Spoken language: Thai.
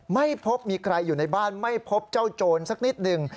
ไม่พบมีใครอยู่ในบ้านไม่พบเจ้าโจรสักนิดหนึ่ง